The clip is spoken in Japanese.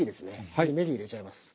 次ねぎ入れちゃいます。